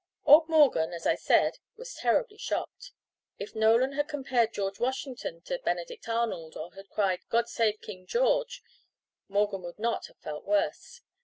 Old Morgan, as I said, was terribly shocked. If Nolan had compared George Washington to Benedict Arnold, or had cried, "God save King George," Morgan would not have felt worse.